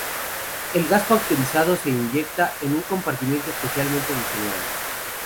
El gas presurizado se inyecta en un compartimento especialmente diseñado.